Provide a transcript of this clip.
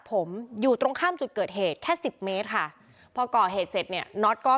ผมอยู่ตรงข้ามจุดเกิดเหตุแค่สิบเมตรค่ะพอก่อเหตุเสร็จเนี่ยน็อตก็